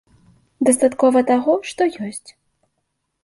Дастаткова таго, што ёсць.